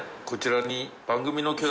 こちらに番組の。